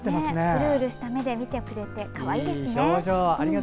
うるうるした目で見てくれて、かわいいですね。